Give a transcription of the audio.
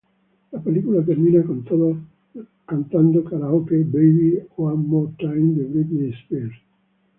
La película termina con todos cantando karaoke "Baby one more time" de Britney Spears.